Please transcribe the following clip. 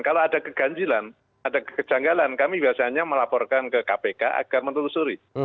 kalau ada keganjilan ada kejanggalan kami biasanya melaporkan ke kpk agar menelusuri